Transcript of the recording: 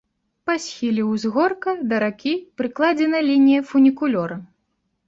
Па схіле ўзгорка, да ракі, пракладзена лінія фунікулёра.